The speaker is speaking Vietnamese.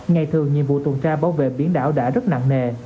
ngày thường nhiệm vụ tuần tra bảo vệ biển đảo đã rất nặng nề